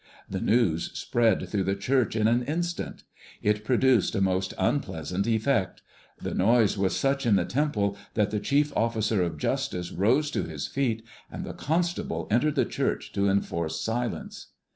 The news spread through the church in an instant. It produced a most unpleasant effect. The noise was such in the temple that the chief officer of justice rose to his feet, and the constables entered the church to enforce silence.